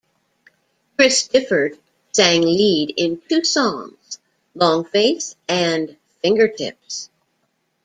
Chris Difford sang lead on two songs, "Long Face" and "Fingertips".